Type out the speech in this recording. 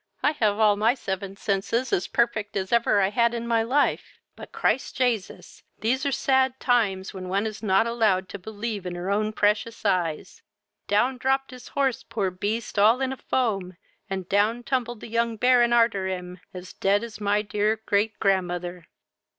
I have all my seven senses as perfect as ever I had in my life; but, Christ Jasus, these are sad times, when one is not allowed to believe their own precious eyes. Down dropped his horse, poor beast, all in a foam, and down tumbled the young Baron arter him, as dead as my my dear great grandmother."